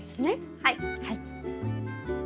はい。